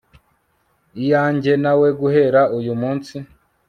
iyajye nawe guhera uyu munsi